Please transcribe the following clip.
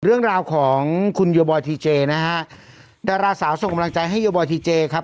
เรื่องราวของคุณโยบอยทีเจนะฮะดาราสาวส่งกำลังใจให้โยบอยทีเจครับ